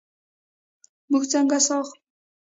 موږ څنګه ساه اخلو؟